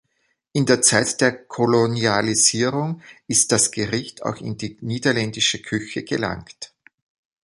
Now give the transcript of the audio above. In der Zeit der Kolonialisierung ist das Gericht auch in die niederländische Küche gelangt.